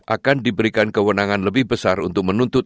akan diberikan kewenangan lebih besar untuk menuntut